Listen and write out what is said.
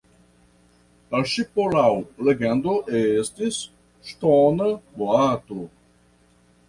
La ŝipo laŭ legendo estis “ŝtona boato”.